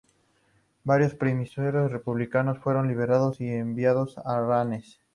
Varios prisioneros republicanos fueron liberados y enviados a Rennes.